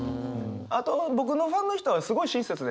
あと僕のファンの人はすごい親切ですね。